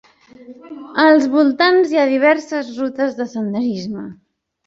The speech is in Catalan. Als voltants hi ha diverses rutes de senderisme.